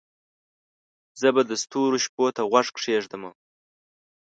زه به د ستورو شپو ته غوږ کښېږدمه